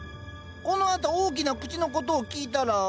このあと大きな口のことを聞いたら。